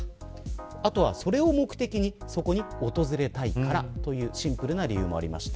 あとは、それを目的にそこに訪れたいからというシンプルな理由もありました。